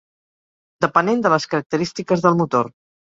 Dependent de les característiques del motor.